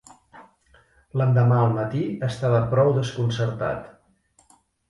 L'endemà al matí estava prou desconcertat.